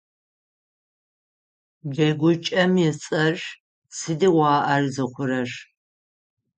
Джэгукӏэм ыцӏэр: «Сыдигъуа ар зыхъурэр?».